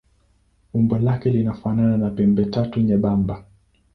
Umbo lake linafanana na pembetatu nyembamba.